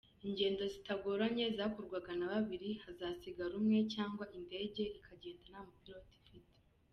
Ingendo zitagoranye zakorwaga na babiri hazasigara umwe cyangwa indege ikagenda nta mupilote ifite.